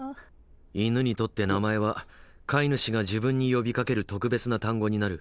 犬にとって名前は飼い主が自分に呼びかける特別な「単語」になる。